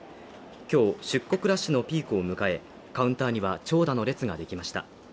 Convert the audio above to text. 今日、出国ラッシュのピークを迎え、カウンターには長蛇の列ができました。